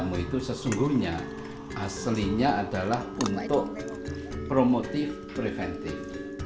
tamu itu sesungguhnya aslinya adalah untuk promotif preventif